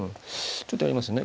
ちょっとやりますね。